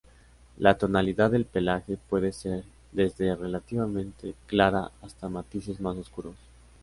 La tonalidad del pelaje puede ser desde relativamente clara hasta matices más oscuros.